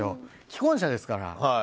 既婚者ですから。